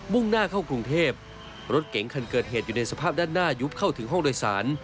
่งหน้าเข้ากรุงเทพรถเก๋งคันเกิดเหตุอยู่ในสภาพด้านหน้ายุบเข้าถึงห้องโดยสาร